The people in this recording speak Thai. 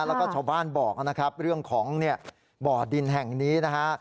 แล้วก็ชาวบ้านบอกนะครับเรื่องของบ่อดินแห่งนี้นะฮะ